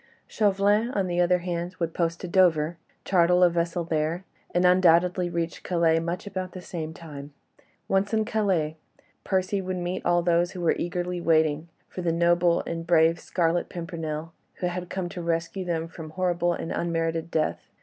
Chauvelin, on the other hand, would post to Dover, charter a vessel there, and undoubtedly reach Calais much about the same time. Once in Calais, Percy would meet all those who were eagerly waiting for the noble and brave Scarlet Pimpernel, who had come to rescue them from horrible and unmerited death.